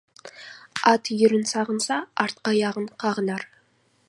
Ат үйірін сағынса, артқы аяғын қағынар.